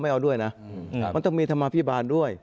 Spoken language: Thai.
มันต้องมีธรรมาพิบาลด้วย